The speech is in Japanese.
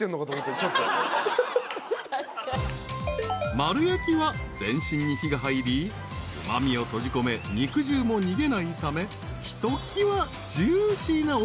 ［丸焼きは全身に火が入りうま味を閉じ込め肉汁も逃げないためひときわジューシーなお肉が味わえるという］